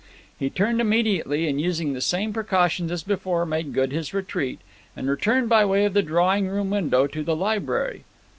He turned immediately, and using the same precautions as before made good his retreat, and returned by way of the drawing room window to the library.